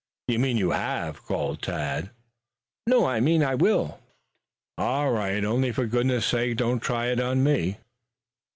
"You mean you have," called Tad. "No, I mean I will." "All right, only for goodness' sake don't try it on me."